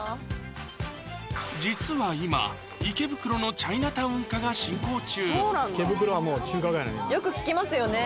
実は今池袋のチャイナタウン化が進行中よく聞きますよね